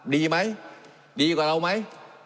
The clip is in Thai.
ดีมั๊ยดีกว่าเรามั้ย